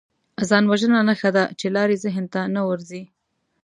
ځانوژنه نښه ده چې لارې ذهن ته نه ورځي